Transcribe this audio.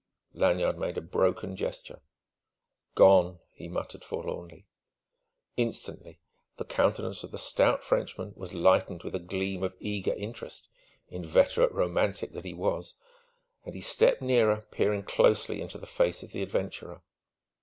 Lanyard made a broken gesture. "Gone!" he muttered forlornly. Instantly the countenance of the stout Frenchman was lightened with a gleam of eager interest inveterate romantic that he was! and he stepped nearer, peering closely into the face of the adventurer.